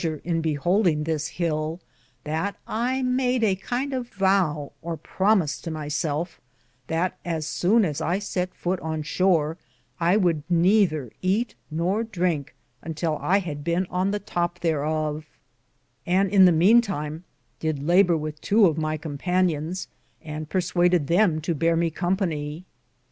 pleasur in behouldinge this hill that I made a kindc of vow or promise to my selfe that assowne as I sett foute on shore I would nether eate nor Drinke untill I had bene on the tope tharof ; and in the meane time did labur with tow of my companyons, and perswaded them to beare me com pany.